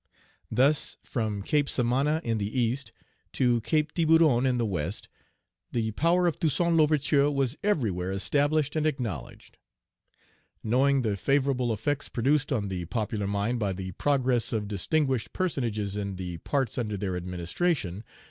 Thus, from Cape Samana in the East to Cape Tiburon in the West, the power of Toussaint L'Ouverture was everywhere established and acknowledged. Knowing the favorable effects produced on the popular mind by the progress of distinguished personages in the parts under their administration.